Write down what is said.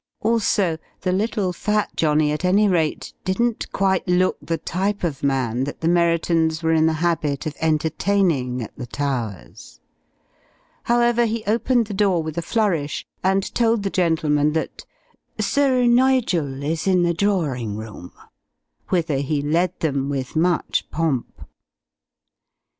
Also, the little fat johnny at any rate, didn't quite look the type of man that the Merriton's were in the habit of entertaining at the Towers. However, he opened the door with a flourish, and told the gentlemen that "Sir Nigel is in the drorin' room," whither he led them with much pomp.